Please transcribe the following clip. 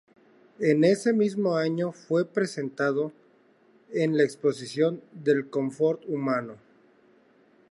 En ese mismo año, fue presentado en la Exposición del Confort Humano.